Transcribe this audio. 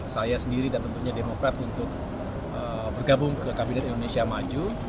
saya sendiri dan tentunya demokrat untuk bergabung ke kabinet indonesia maju